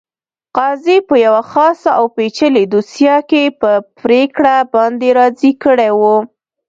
قاضي په یوه خاصه او پېچلې دوسیه کې په پرېکړه باندې راضي کړی وو.